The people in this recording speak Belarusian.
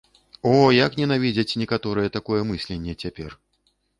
О, як ненавідзяць некаторыя такое мысленне цяпер.